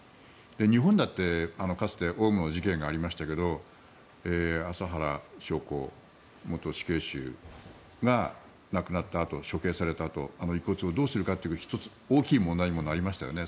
日本だってかつてオウムの事件がありましたが麻原彰晃元死刑囚が亡くなったあと処刑されたあと遺骨をどうするかって１つ大きな問題にもなりましたよね。